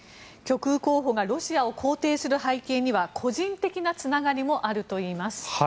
極右候補がロシアを肯定する背景には個人的なつながりもあるといいます。